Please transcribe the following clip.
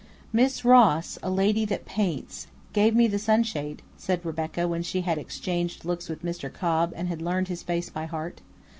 "Miss Ross, a lady that paints, gave me the sunshade," said Rebecca, when she had exchanged looks with Mr. Cobb and learned his face by heart.